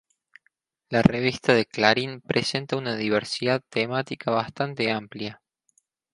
La revista de "Clarín" presenta una diversidad temática bastante amplia.